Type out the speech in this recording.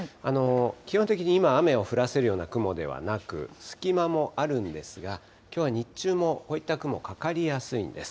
基本的に今、雨を降らせるような雲ではなく、隙間もあるんですが、きょうは日中も、こういった雲、かかりやすいんです。